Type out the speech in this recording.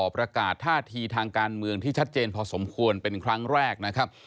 ประกาศท่าทีทางการเมืองที่ชัดเจนพอสมควรเป็นครั้งแรกนะครับ